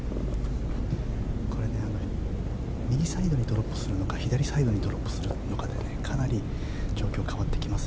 右サイドにドロップするのか左サイドにドロップするのかでかなり状況、変わってきます。